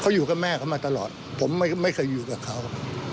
เขาอยู่กับแม่เขามาตลอดผมไม่เคยอยู่กับเขา